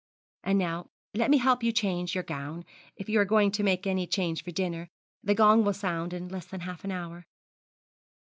And now, let me help you to change your gown, if you are going to make any change for dinner. The gong will sound in less than half an hour.'